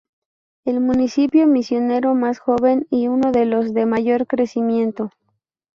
El municipio misionero más joven y uno de los de mayor crecimiento.